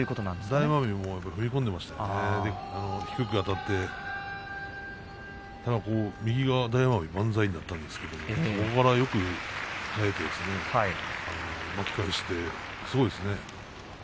大奄美、低くあたって右が大奄美に万歳になったんですが、そこからよく耐えて巻き返してすごいですね。